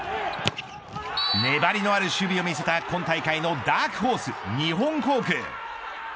粘りのある守備を見せた今大会のダークホース日本航空。